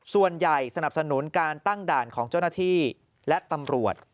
สนับสนุนการตั้งด่านของเจ้าหน้าที่และตำรวจ